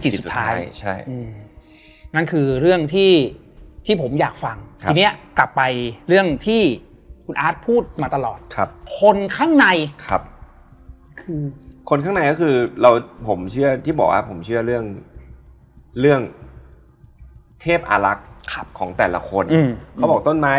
สิ่งเหล่านี้เกิดขึ้นกับเพื่อนของเรา